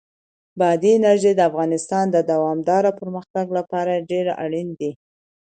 بادي انرژي د افغانستان د دوامداره پرمختګ لپاره ډېر اړین دي.